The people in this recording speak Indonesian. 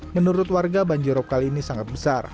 menurut warga banjir rom kali ini sangat besar